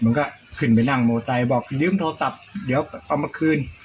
มันก็ขึ้นไปนั่งมอไซคบอกยืมโทรศัพท์เดี๋ยวเอามาคืน